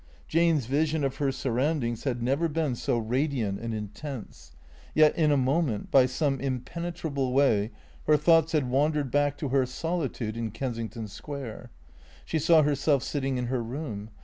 Jane's vision of her surroundings had never been so radiant and intense. Yet in a moment, by some impenetrable way, her thoughts had wandered back to her soli tude in Kensington Square. She saw herself sitting in her room.